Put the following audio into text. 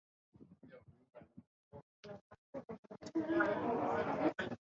Ojapo umi ojapovaʼerãnte.